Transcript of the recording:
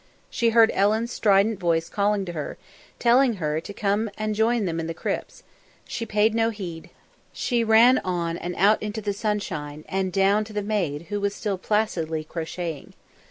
She heard Ellen's strident voice calling to her, telling her to come and join them in the crypts; she paid no heed, she ran on and out into the sunshine and down to the maid, who was still placidly crocheting.